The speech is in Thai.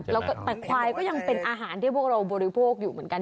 แล้วก็แต่ควายก็ยังเป็นอาหารที่พวกเราบริโภคอยู่เหมือนกัน